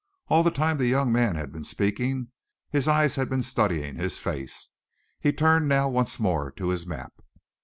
All the time the young man had been speaking, his eyes had been studying his face. He turned now once more to his map.